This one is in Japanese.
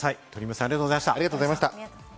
鳥海さん、ありがとうございました。